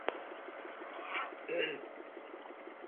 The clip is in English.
See citizen's arrest and hue and cry.